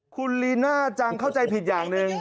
คุณลีน่าจังเข้าใจผิดอย่างหนึ่ง